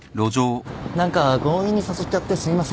何か強引に誘っちゃってすみません。